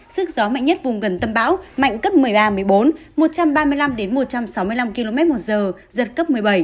sức gió mạnh nhất vùng gần tầm bão mạnh cấp một mươi ba một mươi bốn một trăm ba mươi năm một trăm sáu mươi năm kmh giật cấp một mươi bảy